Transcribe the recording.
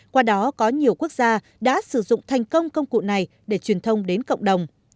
qua đó có nhiều quốc gia đã sử dụng thành công công cụ này để truyền thông đến cộng đồng